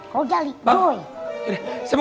kau jali bang saya mau